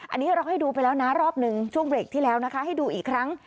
อันนี้เราให้ดูไปแล้วนะรอบหนึ่งช่วงเบรกที่แล้วนะคะให้ดูอีกครั้ง